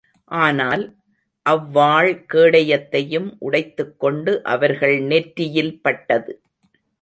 ஆனால், அவ்வாள் கேடயத்தையும் உடைத்துக்கொண்டு அவர்கள் நெற்றியில் பட்டது.